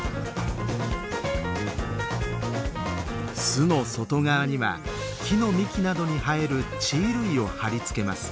巣の外側には木の幹などに生える地衣類を貼り付けます。